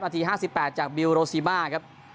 ที๕๘จากบิลโรซิมาครับ